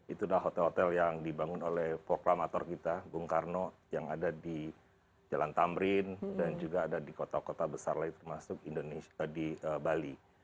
itu adalah hotel hotel yang dibangun oleh proklamator kita bung karno yang ada di jalan tamrin dan juga ada di kota kota besar lain termasuk di bali